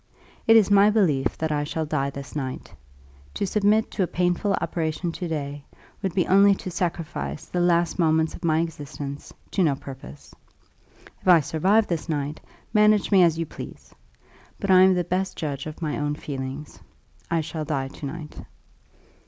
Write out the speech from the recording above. It is my belief that I shall die this night. To submit to a painful operation to day would be only to sacrifice the last moments of my existence to no purpose. If I survive this night, manage me as you please! But I am the best judge of my own feelings I shall die to night."